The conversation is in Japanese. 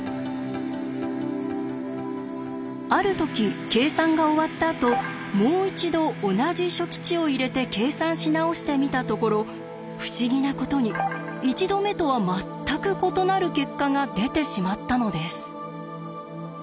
ある時計算が終わったあともう一度同じ初期値を入れて計算し直してみたところ不思議なことに１度目とは全く異なる結果が出てしまったのです。